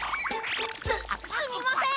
すすみません！